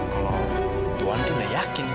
kalau tuhan tuh gak yakin